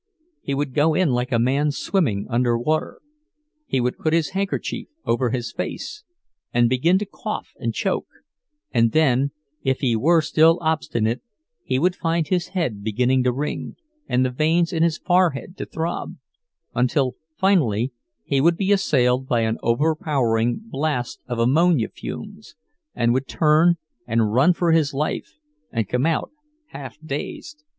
He would go in like a man swimming under water; he would put his handkerchief over his face, and begin to cough and choke; and then, if he were still obstinate, he would find his head beginning to ring, and the veins in his forehead to throb, until finally he would be assailed by an overpowering blast of ammonia fumes, and would turn and run for his life, and come out half dazed.